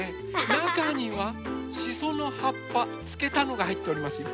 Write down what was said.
なかにはしそのはっぱつけたのがはいっておりますよ。